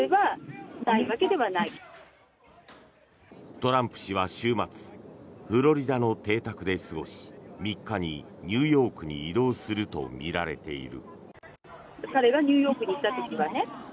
トランプ氏は週末、フロリダの邸宅で過ごし３日にニューヨークに移動するとみられている。